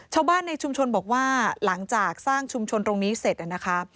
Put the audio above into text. ชาวบ้านในชุมชนบอกว่าหลังจากสร้างชุมชนตรงนี้เสร็จนะคะ